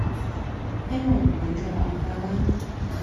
希望唔好再惡化啦